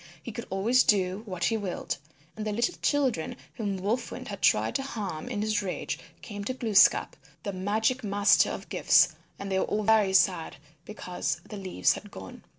He could always do what he willed. And the little children whom Wolf Wind had tried to harm in his rage came to Glooskap, the Magic Master of gifts, and they were all very sad because the leaves had gone.